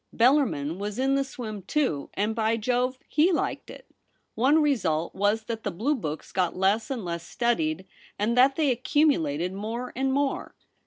Bellarmin was in the swim, too, and, by Jove ! he liked it. One result was that the blue books got less and less studied, and that they accumulated more and more.